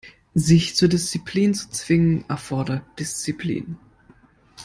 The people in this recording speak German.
Sich zur Disziplin zu zwingen, erfordert Disziplin.